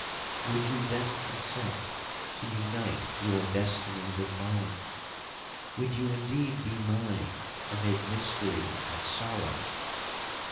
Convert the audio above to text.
—'Would you then consent to unite your destiny with mine? Would you indeed be mine amid mystery and sorrow?